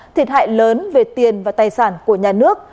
thiệt hại lớn về tiền và tài sản của nhà nước